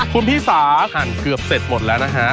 คุณพี่สาหั่นเกือบเสร็จหมดแล้วนะฮะ